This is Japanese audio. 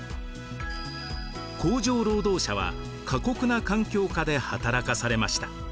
工場労働者は過酷な環境下で働かされました。